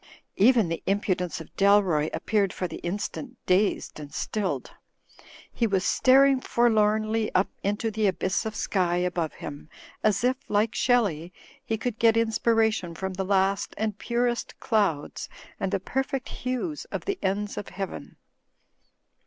Even the impudence of Dalroy appeared for the in stant dazed and stilled. He was staring forlornly up into the abyss of sky above him, as if, like Shelley, he could get inspiration from the last and purest clouds and the perfect hues of the ends of Heaven.